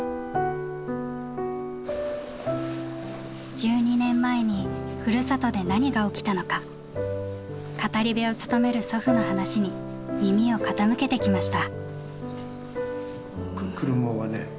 １２年前にふるさとで何が起きたのか語り部を務める祖父の話に耳を傾けてきました。